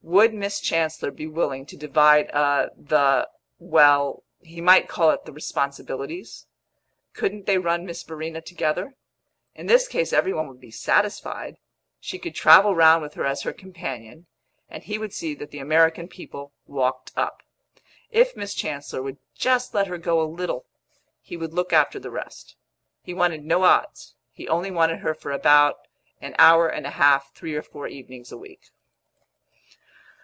Would Miss Chancellor be willing to divide a the well, he might call it the responsibilities? Couldn't they run Miss Verena together? In this case every one would be satisfied. She could travel round with her as her companion, and he would see that the American people walked up. If Miss Chancellor would just let her go a little, he would look after the rest. He wanted no odds; he only wanted her for about an hour and a half three or four evenings a week.